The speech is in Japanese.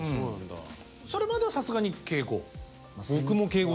それまではさすがに敬語？